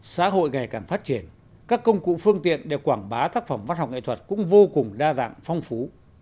xã hội ngày càng phát triển các công cụ phương tiện để quảng bá tác phẩm văn học nghệ thuật cũng vô cùng đa dạng phong phú